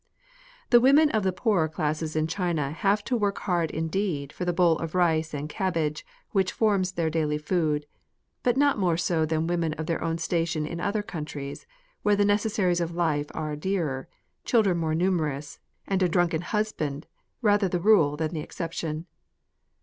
The women of the poorer classes in China have to work hard indeed for the bowl of rice and cabbage which forms their daily food, but not more so than women of their own station in other countries where the necessaries of life are dearer, children more numerous, and a drunken husband rather the rule than the exception.